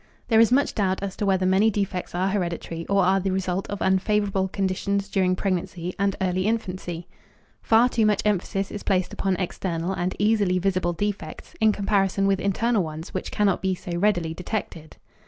There is much doubt as to whether many defects are hereditary or are the result of unfavorable conditions during pregnancy and early infancy. Far too much emphasis is placed upon external and easily visible defects in comparison with internal ones which cannot be so readily detected.